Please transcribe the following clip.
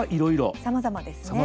さまざまですね。